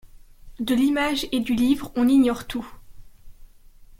De l’image et du livre on ignore tout.